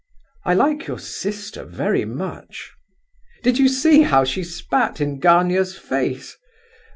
"I like your sister very much." "Did you see how she spat in Gania's face!